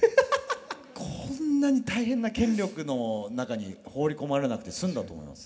こんなに大変な権力の中に放り込まれなくて済んだと思います。